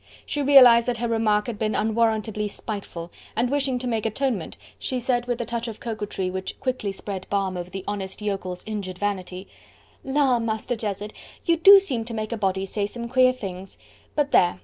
She realized that her remark had been unwarrantably spiteful, and wishing to make atonement, she said with a touch of coquetry which quickly spread balm over the honest yokel's injured vanity: "La! Master Jezzard, you do seem to make a body say some queer things. But there!